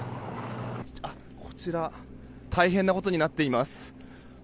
こちら大変なことになっています。